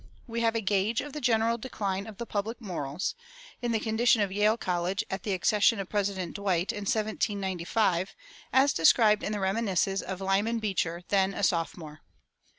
We have a gauge of the general decline of the public morals, in the condition of Yale College at the accession of President Dwight in 1795, as described in the reminiscences of Lyman Beecher, then a sophomore.